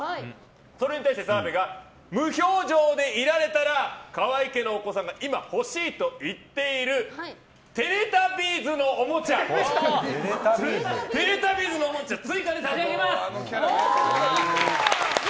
それに対して澤部が無表情でいられたら河合家のお子さんが今欲しいといっている「テレタビーズ」のおもちゃ追加で差し上げます！